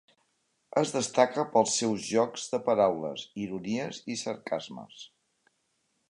Es destaca pels seus jocs de paraules, ironies i sarcasmes.